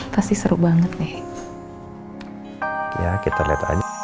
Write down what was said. pasti seru banget nih